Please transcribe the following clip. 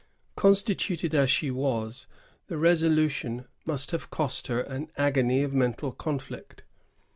Constituted as she was, the resolution must have cost her an agony of mental conflict.